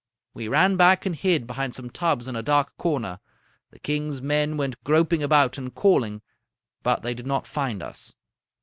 We ran back and hid behind some tubs in a dark corner. The king's men went groping about and calling, but they did not find us.